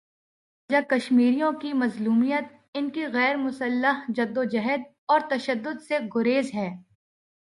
اس کی وجہ کشمیریوں کی مظلومیت، ان کی غیر مسلح جد وجہد اور تشدد سے گریز ہے۔